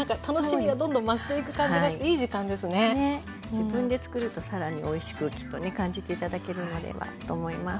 自分でつくると更においしくきっとね感じて頂けるのではと思います。